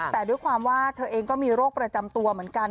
แต่ด้วยความว่าเธอเองก็มีโรคประจำตัวเหมือนกัน